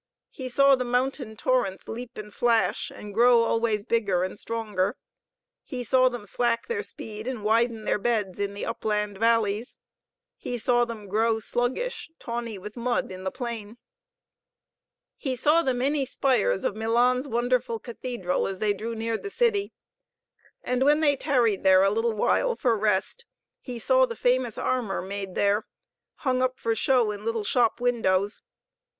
He saw the mountain torrents leap and flash, and grow always bigger and stronger. He saw them slack their speed and widen their beds in the upland valleys. He saw them grow sluggish, tawny with mud, in the plain. He saw the many spires of Milan's wonderful cathedral as they drew near the city. And when they tarried there a little while for rest, he saw the famous armor made there, hung up for show in little shop windows.